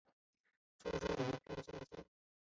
出身于兵库县。